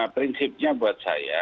prinsipnya buat saya